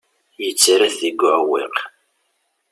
Yettarra-t deg uɛewwiq.